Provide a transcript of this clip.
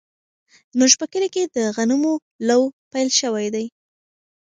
زموږ په کلي کې د غنمو لو پیل شوی دی.